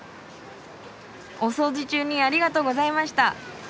お掃除中にありがとうございました。